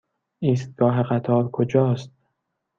ایستگاه قطار کجاست؟